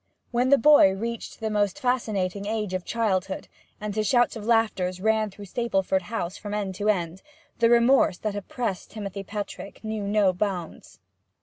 When the boy reached the most fascinating age of childhood, and his shouts of laughter ran through Stapleford House from end to end, the remorse that oppressed Timothy Petrick knew no bounds.